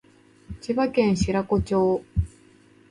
千葉県白子町